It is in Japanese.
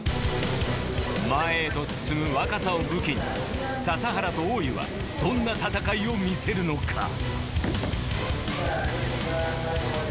前へと進む若さを武器に笹原と大湯はどんな戦いを見せるのかあ！